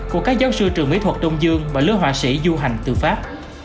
của các giáo sư trường mỹ thuật đông dương và lứa họa sĩ du hành từ pháp